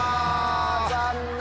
残念！